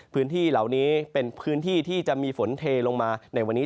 พื้นที่เหล่านี้เป็นพื้นที่ที่จะมีฝนเทลงมาในวันนี้